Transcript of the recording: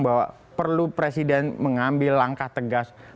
bahwa perlu presiden mengambil langkah tegas